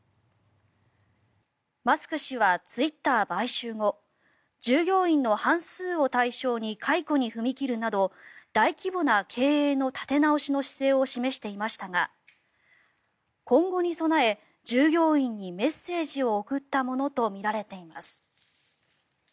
マスク氏はツイッター買収後従業員の半数を対象に解雇に踏み切るなど大規模な経営の立て直しの姿勢を示していましたが今後に備え従業員にメッセージを送ったものとみられています。